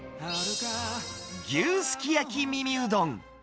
牛すき焼き耳うどん。